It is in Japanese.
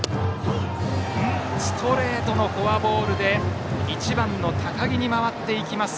ストレートのフォアボールで１番の高木に回っていきます。